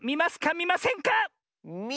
みませんか？